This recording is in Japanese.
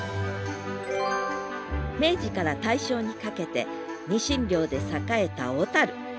明治から大正にかけてニシン漁で栄えた小。